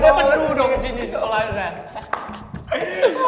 dapet dulu dong disini sekolahnya